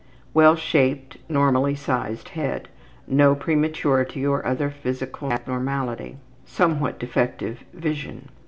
Well shaped, normally sized head. No prematurity or other physical abnormality. Somewhat defective vision.